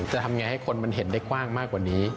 ทำไงให้คนมันเห็นได้กว้างมากกว่านี้